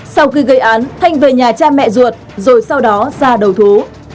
sau khi gây án thanh về nhà cha mẹ ruột rồi sau đó ra đầu thú